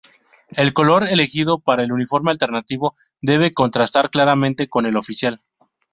El color elegido para el uniforme alternativo debe contrastar claramente con el oficial.